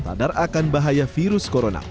sadar akan bahaya virus corona